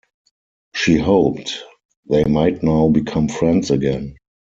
She hoped they might now become friends again.